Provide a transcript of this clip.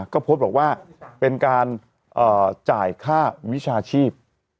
ก็โพสต์บอกว่าเป็นการจ่ายค่าวิชาชีพ